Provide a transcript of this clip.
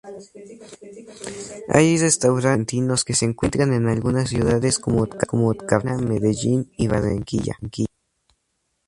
Hay restaurantes argentinos que se encuentran en algunas ciudades como Cartagena, Medellín y Barranquilla.